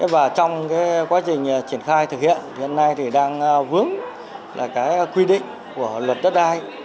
và trong quá trình triển khai thực hiện hiện nay đang vướng quy định của luật đất đai